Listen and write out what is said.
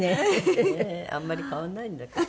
あんまり変わんないんだけど。